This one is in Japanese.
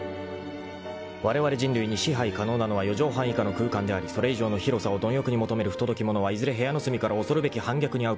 ［われわれ人類に支配可能なのは四畳半以下の空間でありそれ以上の広さを貪欲に求める不届き者はいずれ部屋の隅から恐るべき反逆に遭うことであろう］